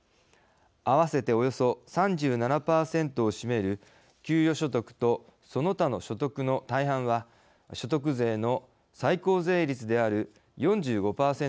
合わせておよそ３７％を占める給与所得とその他の所得の大半は所得税の最高税率である４５％がかかります。